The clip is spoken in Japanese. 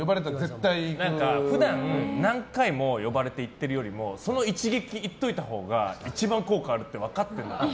普段何回も呼ばれていくよりもその一撃行っといたほうが一番効果あるって分かっているから。